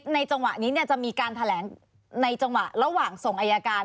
จังหวะนี้จะมีการแถลงในจังหวะระหว่างส่งอายการ